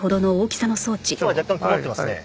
今日は若干曇っていますね。